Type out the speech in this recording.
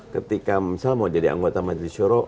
ketika mau jadi anggota majelis juro